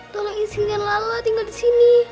tolong izinkan lala tinggal di sini